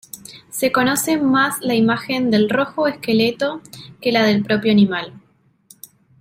Se conoce más la imagen del rojo esqueleto que la del propio animal.